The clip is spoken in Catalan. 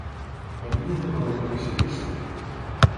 La vinya no la van conèixer fins tard.